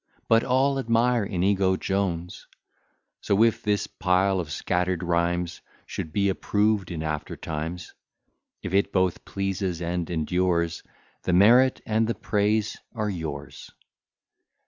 But all admire Inigo Jones: So, if this pile of scatter'd rhymes Should be approved in aftertimes; If it both pleases and endures, The merit and the praise are yours.